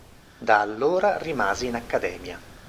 Da allora rimase in Accademia.